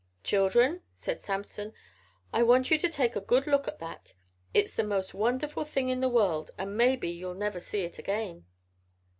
... "Children," said Samson, "I want you to take a good look at that. It's the most wonderful thing in the world and maybe you'll never see it again."